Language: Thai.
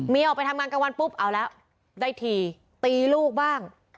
ออกไปทำงานกลางวันปุ๊บเอาแล้วได้ทีตีลูกบ้าง